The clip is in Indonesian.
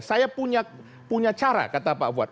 saya punya cara kata pak fuad